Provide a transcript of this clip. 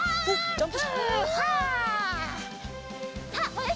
ジャンプ！